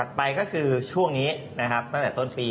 ต่อไปก็คือช่วงนี้ตั้งแต่ต้นปี